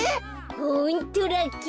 ホントラッキー。